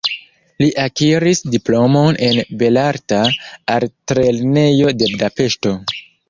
Li akiris diplomon en Belarta Altlernejo de Budapeŝto.